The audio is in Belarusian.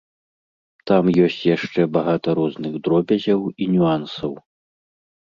Там ёсць яшчэ багата розных дробязяў і нюансаў.